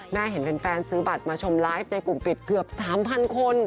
เห็นแฟนซื้อบัตรมาชมไลฟ์ในกลุ่มปิดเกือบ๓๐๐คน